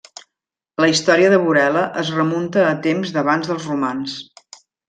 La història de Burela es remunta a temps d'abans dels romans.